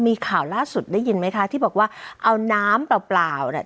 มีข่าวล่าสุดได้ยินไหมคะที่บอกว่าเอาน้ำเปล่าเปล่าเนี่ย